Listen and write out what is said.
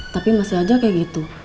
tapi masih aja kayak gitu